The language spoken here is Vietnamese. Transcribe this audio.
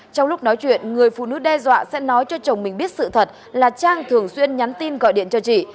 trong lúc nói chuyện người phụ nữ đe dọa sẽ nói cho chồng mình biết sự thật là trang thường xuyên nhắn tin gọi điện cho chị